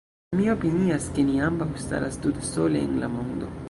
Mi opinias, ke ni ambaŭ staras tute sole en la mondo.